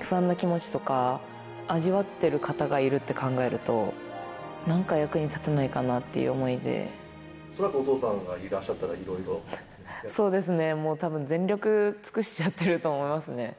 不安な気持ちとか、味わっている方がいるって考えると、なんか役に立てないかなってそのときお父さんがいらっしそうですね、もうたぶん全力尽くしてやってると思いますね。